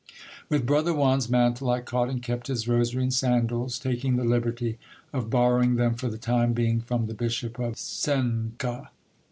With brother Juan's mantle, I caught and kept his rosary and sandals ; taking the liberty of borrowing them for the time being from the bishop of Cuenca.